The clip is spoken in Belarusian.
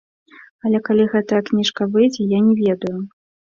Але калі гэтая кніжка выйдзе, я не ведаю.